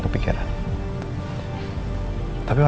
kita selalu harus noh